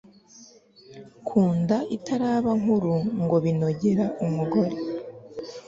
ku nda itaraba nkuru ngo binogera umugore